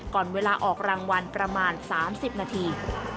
ก่อนเวลาออกรางวัลประมาณ๓๐นาที